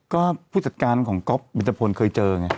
ก็ผู้จัดการของก๊อฟมินทพลเคยเจอไง